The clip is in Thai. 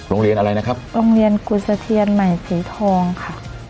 โรงเรียนอะไรนะครับโรงเรียนกุศเทียนใหม่สีทองค่ะ